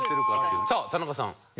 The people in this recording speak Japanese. さあ田中さん。